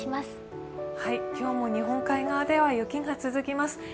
今日も日本海側では雪が続きます。